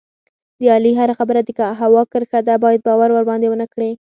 د علي هره خبره د هوا کرښه ده، باید باور ورباندې و نه کړې.